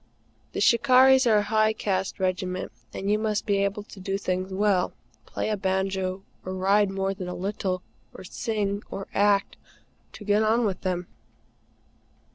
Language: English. The "Shikarris" are a high caste regiment, and you must be able to do things well play a banjo or ride more than a little, or sing, or act to get on with them.